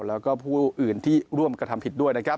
และก็ผู้อื่นที่ร่วมกระทำผิดด้วย